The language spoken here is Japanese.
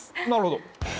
なるほど。